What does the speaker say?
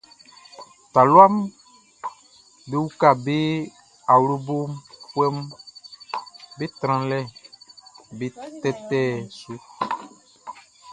Taluaʼm be uka be awlobofuɛʼm be tralɛʼm be tɛtɛlɛʼn su.